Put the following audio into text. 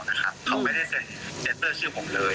เขาไม่ได้เซ็นเซตเตอร์ชื่อผมเลย